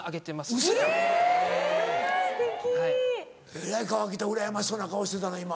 えらい河北うらやましそうな顔してたな今。